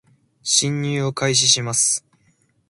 進入を開始します